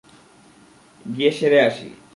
গিয়ে সেরে আসি।